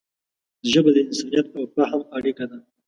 ژبه د انسانیت او فهم اړیکه ده